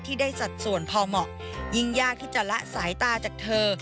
ที่ได้สัดส่วนพอเหมาะยิ่งยากที่จะละสายตาจากเธอ